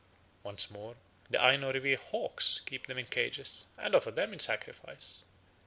Once more, the Aino revere hawks, keep them in cages, and offer them in sacrifice.